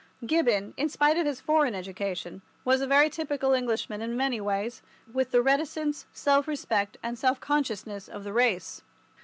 Gibbon, in spite of his foreign education, was a very typical Englishman in many ways, with the reticence, self respect, and self consciousness of the race.